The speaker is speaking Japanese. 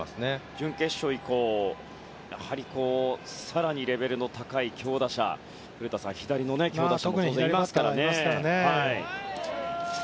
準決勝以降やはり更にレベルの高い左の強打者もいますからね。